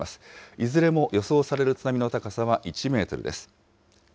いずれも予想される津波の高さは１メートルです。